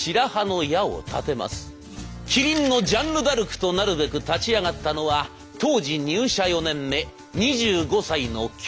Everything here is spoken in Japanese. キリンのジャンヌ・ダルクとなるべく立ち上がったのは当時入社４年目２５歳の京谷侑香。